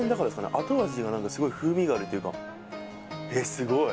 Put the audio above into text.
後味が何かすごい風味があるというかえっすごい！